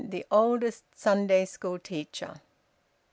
THE OLDEST SUNDAY SCHOOL TEACHER.